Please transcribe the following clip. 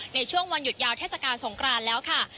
ในช่วงวันหยุดยาวเทศกาลสงครานแล้วค่ะ